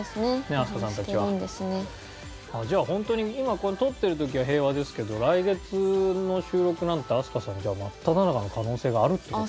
じゃあホントに今これ撮ってる時は平和ですけど来月の収録なんて飛鳥さんじゃあ真っただ中の可能性があるっていう事？